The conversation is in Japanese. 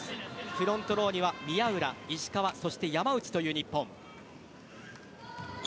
フロントローには宮浦、石川、山内という日本。